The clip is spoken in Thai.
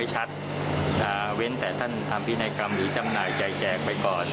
หรือจำหน่ายใจแจกไปก่อน